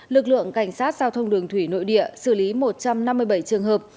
lực lượng cảnh sát giao thông đường thủy nội địa xử lý một trăm năm mươi bảy trường hợp